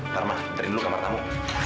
farma cari dulu kamar tamu